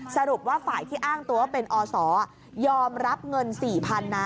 สรุปว่าฝ่ายที่อ้างตัวเป็นอสอก็ยอมรับเงินสี่พันธุ์นะ